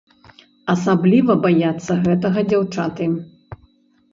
Асабліва баяцца гэтага дзяўчаты.